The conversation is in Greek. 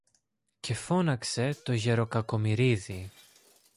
Και φώναξε το γερο-Κακομοιρίδη